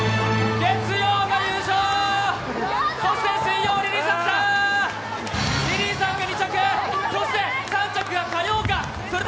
月曜の優勝、そして水曜、リリーさんが来た。